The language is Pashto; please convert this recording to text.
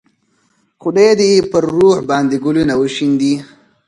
خدای دې یې پر روح باندې ګلونه وشیندي.